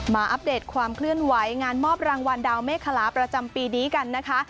อัปเดตความเคลื่อนไหวงานมอบรางวัลดาวเมฆคลาประจำปีนี้กันนะคะ